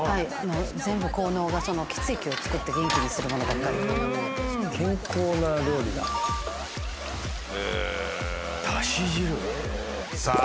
全部効能が血液を作って元気にするものばっかり健康な料理だダシ汁さあ